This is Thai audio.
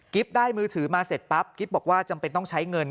ได้มือถือมาเสร็จปั๊บกิ๊บบอกว่าจำเป็นต้องใช้เงิน